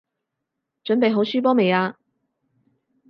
準備好輸波未啊？